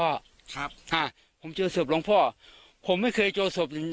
น้องพ่อครับอ่าผมเจ้าสวบน้องพ่อผมไม่เคยเจ้าสวบ